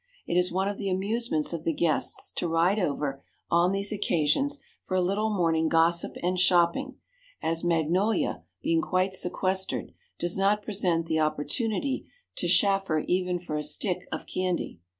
It is one of the amusements of the guests to ride over, on these occasions, for a little morning gossip and shopping, as Magnolia, being quite sequestered, does not present the opportunity to chaffer even for a stick of candy.